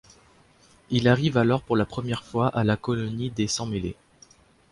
Il arrive alors pour la première fois à la Colonie des Sang-Mêlés.